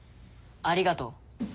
ありがとう。